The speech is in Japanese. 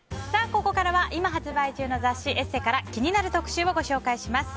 ここからは今発売中の雑誌「ＥＳＳＥ」から気になる特集をご紹介します。